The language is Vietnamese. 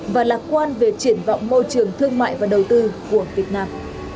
và lạc quan về triển vọng môi trường thương mại và đầu tư của việt nam